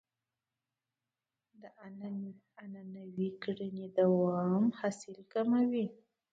د عنعنوي کرنې دوام حاصل کموي.